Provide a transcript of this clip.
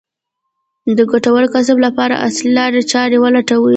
د ګټور کسب لپاره عصري لارې چارې ولټوي.